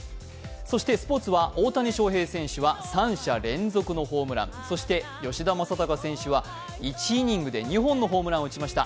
そしてスポーツは大谷翔平選手は３者連続のホームラン、そして吉田正尚選手は１イニングで２本のホームランを打ちました。